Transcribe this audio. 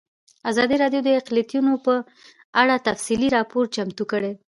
ازادي راډیو د اقلیتونه په اړه تفصیلي راپور چمتو کړی.